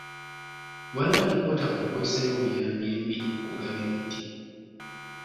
Waliwo alipoota ku nkozesa y'obuyambi embi kugaba emiti.